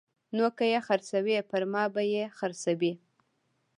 نو که یې خرڅوي پرما به یې خرڅوي